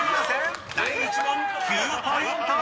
［第１問９ポイント！］